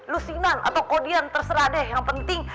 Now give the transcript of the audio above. lusinan atau kodian terserah deh yang penting